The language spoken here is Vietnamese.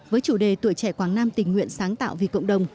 với chủ đề tuổi trẻ quảng nam tình nguyện sáng tạo vì cộng đồng